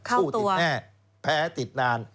เข้าตัวสู้ติดแน่แพ้ติดนาน